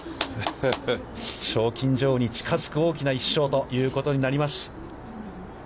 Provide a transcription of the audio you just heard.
賞金女王に近づく大きな１勝ということになります。